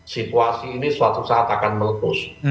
situasi ini suatu saat akan meletus